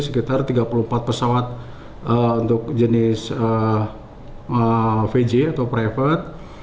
sekitar tiga puluh empat pesawat untuk jenis vj atau private